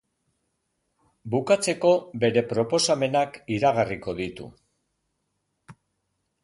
Bukatzeko, bere proposamenak iragarriko ditu.